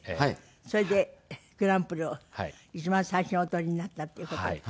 それでグランプリを一番最初にお取りになったっていう事で。